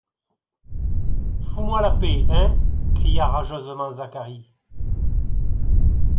Fous-moi la paix, hein ! cria rageusement Zacharie.